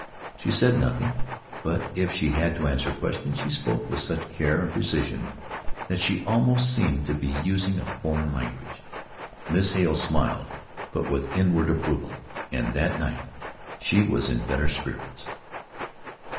She said nothing, but if she had to answer a question, she spoke with such care and precision that she almost seemed to be using a foreign language. Miss Hale smiled but with inward approval, and that night she was in better spirits.